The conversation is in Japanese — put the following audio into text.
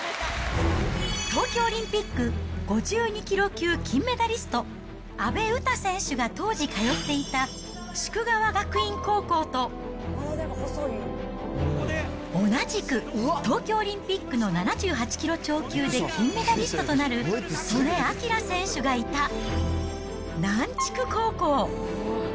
東京オリンピック５２キロ級金メダリスト、阿部詩選手が当時通っていた夙川学院高校と、同じく東京オリンピックの７８キロ超級で金メダリストとなる素根輝選手がいた南筑高校。